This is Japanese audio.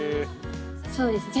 そうですね。